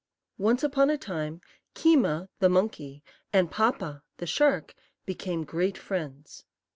Once upon a time Kee'ma, the monkey, and Pa'pa, the shark, became great friends.